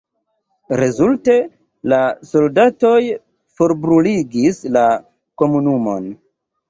Rezulte la soldatoj forbruligis la komunumon.